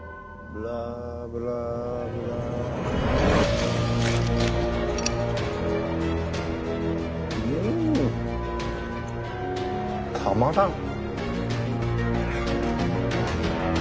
うーん！たまらん。